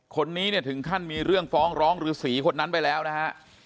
คนนี้เนี่ยถึงขั้นมีเรื่องฟ้องร้องฤษีคนนั้นไปแล้วนะฮะ